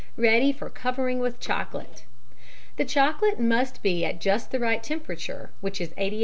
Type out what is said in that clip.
ready for covering with chocolate. The chocolate must be at just the right temperature, which is 88 °F.